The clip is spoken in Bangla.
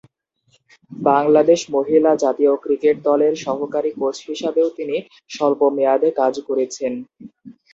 বাংলাদেশ মহিলা জাতীয় ক্রিকেট দলের সহকারী কোচ হিসাবেও তিনি স্বল্প মেয়াদে কাজ করেছেন।